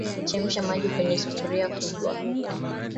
Chemsha maji kwenye sufuria kubwa